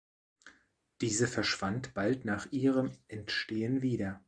Diese verschwand bald nach ihrem Entstehen wieder.